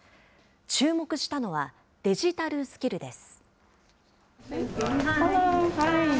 注目したのは、デジタルスキルです。